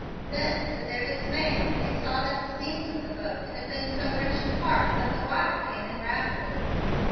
Then, to their dismay, they saw that the seams of the boat had been so wrenched apart that the water came in rapidly.